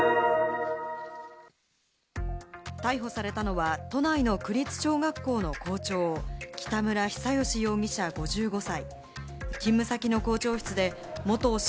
逮捕されたのは都内の区立中学校の校長、北村比左嘉容疑者、５５歳。